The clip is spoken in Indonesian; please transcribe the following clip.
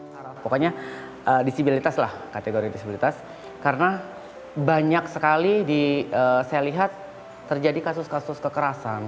pokoknya disabilitas lah kategori disabilitas karena banyak sekali saya lihat terjadi kasus kasus kekerasan